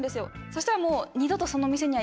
そしたらもう。